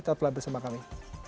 tepat bersama kami